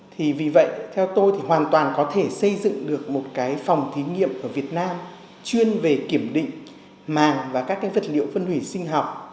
thì vì vậy theo tôi thì hoàn toàn có thể xây dựng được một cái phòng thí nghiệm ở việt nam chuyên về kiểm định màng và các cái vật liệu phân hủy sinh học